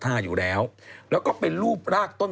ปลาหมึกแท้เต่าทองอร่อยทั้งชนิดเส้นบดเต็มตัว